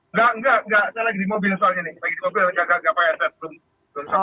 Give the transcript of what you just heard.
gak gak gak saya lagi di mobil soalnya nih lagi di mobil gak pake headset